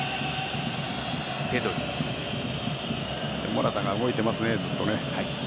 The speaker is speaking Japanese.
モラタが動いてますね、ずっと。